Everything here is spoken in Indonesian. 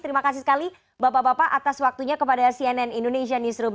terima kasih sekali bapak bapak atas waktunya kepada cnn indonesia newsroom